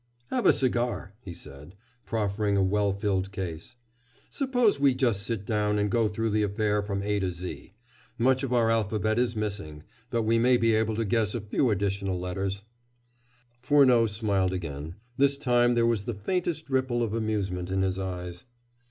"Have a cigar," he said, proffering a well filled case. "Suppose we just sit down and go through the affair from A to Z. Much of our alphabet is missing, but we may be able to guess a few additional letters." Furneaux smiled again. This time there was the faintest ripple of amusement in his eyes.